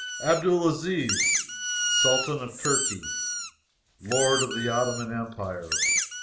ABDUL AZIZ, Sultan of Turkey, Lord of the Ottoman Empire!